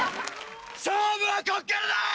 勝負はこっからだ！